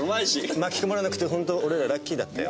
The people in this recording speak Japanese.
巻き込まれなくてほんと俺らラッキーだったよ。